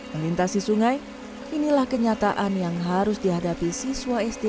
melintasi sungai inilah kenyataan yang harus dihadapi siswa sd